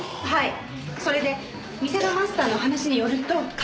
それで店のマスターの話によると。